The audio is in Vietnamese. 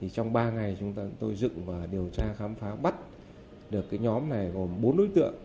trong ba ngày chúng tôi dựng và điều tra khám phá bắt được nhóm này gồm bốn đối tượng